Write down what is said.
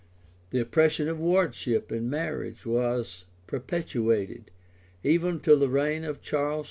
The oppression of wardship and marriage was perpetuated even till the reign of Charles II.